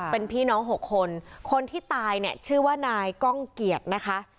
เป็นพี่น้อง๖คนคนที่ตายเนี่ยชื่อว่านายก้องเกียรตินะคะ